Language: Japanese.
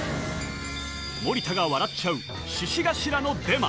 森田が笑っちゃうシシガシラのデマ。